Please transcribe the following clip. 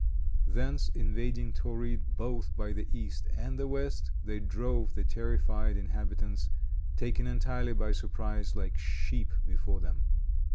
Thence invading Tauride, both by the east and the west, they drove the terrified inhabitants, taken entirely by surprise, like sheep before them.